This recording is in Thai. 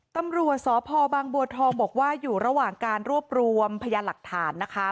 ตำรวจสพบางบัวทองบอกว่าอยู่ระหว่างการรวบรวมพยานหลักฐานนะคะ